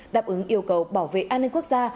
đáp ứng yêu cầu bảo vệ an ninh quốc gia